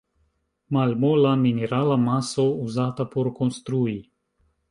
Malmola, minerala maso uzata por konstrui.